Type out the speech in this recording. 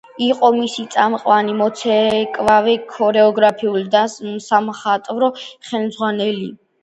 იყო მისი წამყვანი მოცეკვავე, ქორეოგრაფი და სამხატვრო ხელმძღვანელი.